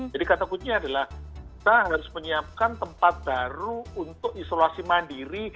jadi kata kutunya adalah kita harus menyiapkan tempat baru untuk isolasi mandiri